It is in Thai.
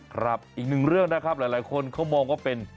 อีกหนึ่งเรื่องนะครับหลายคนเขามองว่าเป็น